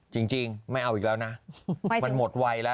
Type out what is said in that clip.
จริงไม่เอาอีกแล้วนะมันหมดไวแล้ว